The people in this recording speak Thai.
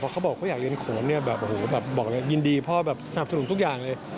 แต่พอเขาบอกว่าเขาอยากเรียนขนบอกว่ายินดีพ่อสนับสนุนทุกอย่างเลย